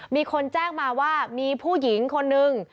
มีคนแจ้งมาว่ามีผู้หญิงคนนึง